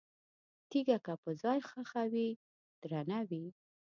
تیګه که په ځای ښخه وي، درنه وي؛